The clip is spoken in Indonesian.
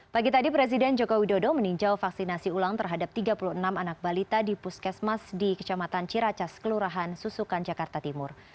pagi tadi presiden joko widodo meninjau vaksinasi ulang terhadap tiga puluh enam anak balita di puskesmas di kecamatan ciracas kelurahan susukan jakarta timur